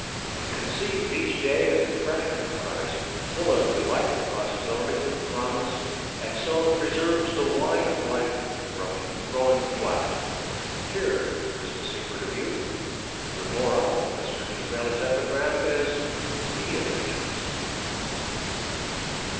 It conceives each day as a fresh enterprise, full of delightful possibilities and promise, and so preserves the wine of life from growing flat. Here is the secret of youth. The moral of Mr. Disraeli's epigram is, 'Be adventurous.'